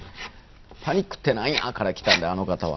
「パニックってなんや？」からきたんであの方は。